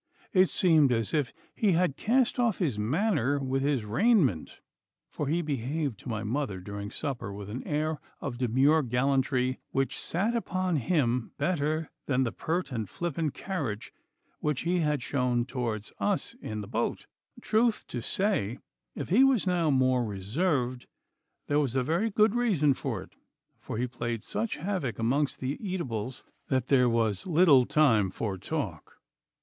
It seemed as if he had cast off his manner with his raiment, for he behaved to my mother during supper with an air of demure gallantry which sat upon him better than the pert and flippant carriage which he had shown towards us in the boat. Truth to say, if he was now more reserved, there was a very good reason for it, for he played such havoc amongst the eatables that there was little time for talk.